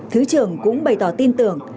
thứ trưởng cũng bày tỏ tin tưởng